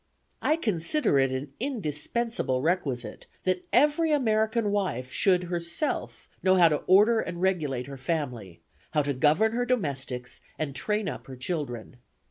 "I consider it as an indispensable requisite, that every American wife should herself know how to order and regulate her family; how to govern her domestics, and train up her children.